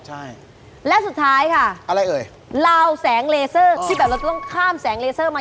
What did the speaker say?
ใช่และสุดท้ายค่ะอะไรเอ่ยลาวแสงเลเซอร์ที่แบบเราจะต้องข้ามแสงเลเซอร์มา